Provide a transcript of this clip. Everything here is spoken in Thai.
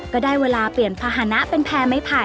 ก็ได้เวลาเปลี่ยนภาษณะเป็นแพร่ไม้ไผ่